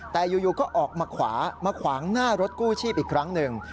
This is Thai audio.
แต่อยู่ก็ออกมาขวามาขวางหน้ารถกู้ชีพอีกครั้งหนึ่ง